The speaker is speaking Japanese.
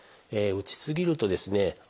打ち過ぎるとですね